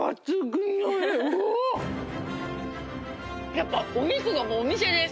やっぱお肉がもうお店です。